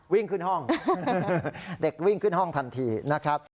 วิ่งขึ้นห้องเด็กวิ่งขึ้นห้องทันทีนะครับ